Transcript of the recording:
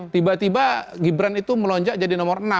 tiba tiba gibran itu melonjak jadi nomor enam